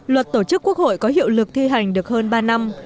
luật tổ chức quốc hội có hiệu lực thi hành được hơn ba năm